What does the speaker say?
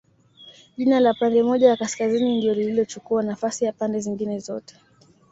Jina la pande moja ya Kaskazini ndio lililochukua nafasi ya pande zingine zote